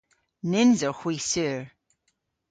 Nyns owgh hwi sur.